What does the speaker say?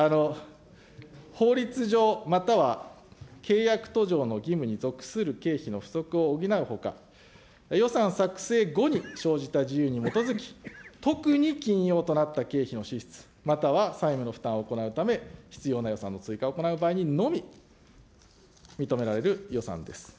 法律上、または契約途上の義務に属する経費の不足を補うほか、予算作成後に生じた事由に基づき、特に緊要となった経費の支出、または債務の負担を行うため、必要な予算の追加を行う場合にのみ、認められる予算です。